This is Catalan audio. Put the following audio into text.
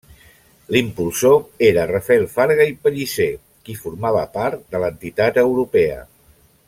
L'impulsor era Rafael Farga i Pellicer, qui formava part de l'entitat europea.